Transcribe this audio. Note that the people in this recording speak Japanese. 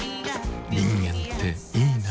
人間っていいナ。